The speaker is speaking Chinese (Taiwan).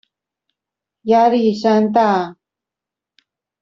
壓力山大